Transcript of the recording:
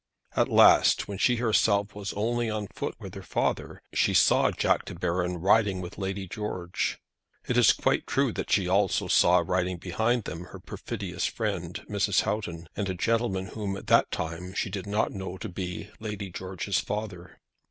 At last, when she herself was only on foot with her father, she saw Jack De Baron riding with Lady George. It is quite true that she also saw, riding behind them, her perfidious friend, Mrs. Houghton, and a gentleman whom at that time she did not know to be Lady George's father.